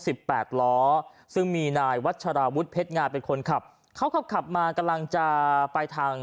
แปดล้อซึ่งมีนายวัชราวุฒิเพชราเป็นคนขับเขาขับขับมากำลังจะไปทาง